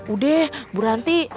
udah bu ranti